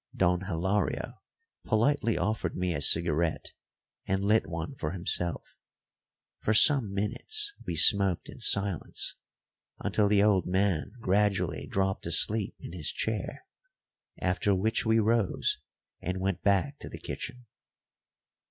Don Hilario politely offered me a cigarette and lit one for himself. For some minutes we smoked in silence, until the old man gradually dropped to sleep in his chair, after which we rose and went back to the kitchen.